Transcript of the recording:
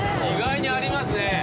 意外にありますね。